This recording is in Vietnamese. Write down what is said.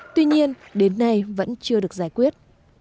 tuy nhiên đến nay vẫn chưa được giải quyết